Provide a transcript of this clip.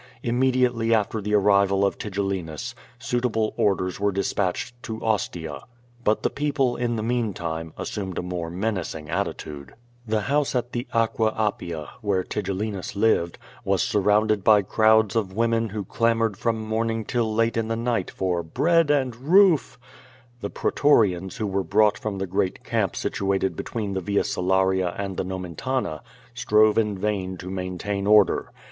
Immediately after the arrival of Tigellinus suitable orders were dispatchend to Ostia. But the people, in the meantime, assumed a more menacing attitude. 238 Q^^ VADI8. i^ The house at the Aqua Appia, where Tigellinus lived, was surrounded by crowds of women who clamored from morning till late in the night for "Bread and roof/' The pretorians who were brought from the great camp situated between the Via Salaria and the Nomentana strove in vain to maintain order.